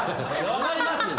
分かりますよ。